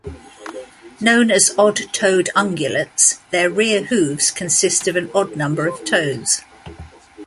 Known as odd-toed ungulates, their rear hooves consist of an odd number of toes.